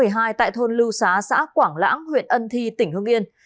sáng một mươi hai tại thôn lưu xá xã quảng lãng huyện ân thi tỉnh hương yên